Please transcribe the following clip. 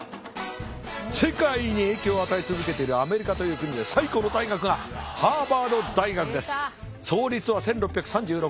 世界に影響を与え続けているアメリカという国で最高の大学が創立は１６３６年。